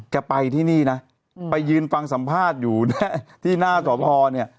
ก็ไปที่นี่นะไปยืนฟังสัมภาษณ์อยู่ที่หน้าสวทธิ์ภอร์เนี่ย